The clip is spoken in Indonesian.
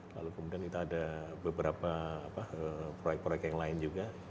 lalu kemudian kita ada beberapa proyek proyek yang lain juga